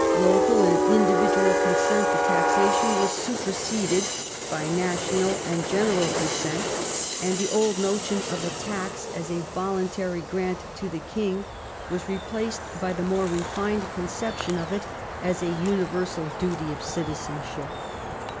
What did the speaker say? Local and individual consent to taxation was superseded by national and general consent, and the old notion of a tax as a voluntary grant to the king was replaced by the more refined conception of it as a universal duty of citizenship.